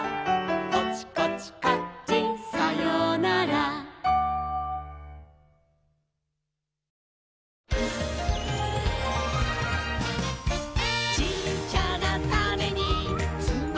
「コチコチカッチンさようなら」「ちっちゃなタネにつまってるんだ」